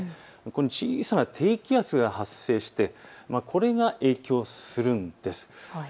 小さな低気圧が発生してこれが影響するんです。